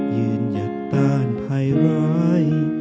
ยืนหยัดต้านภายร้าย